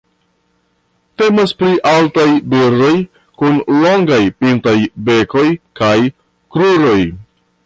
Temas pri altaj birdoj kun longaj pintaj bekoj kaj kruroj.